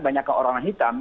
banyak orang orang hitam